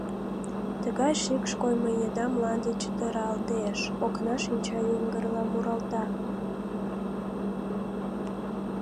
Тыгай шикш коймо еда мланде чытыралтеш, окна шинча йыҥгырла муралта...